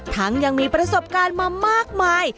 ยังมีประสบการณ์มามากมาย